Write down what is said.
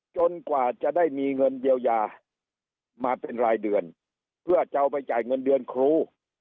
กว่าจะได้มีเงินเยียวยามาเป็นรายเดือนเพื่อจะเอาไปจ่ายเงินเดือนครู